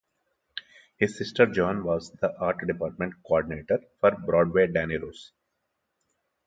His sister Joan was the art department coordinator for Broadway Danny Rose.